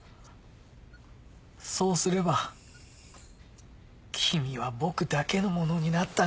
そうすれば君は僕だけのものになったのに。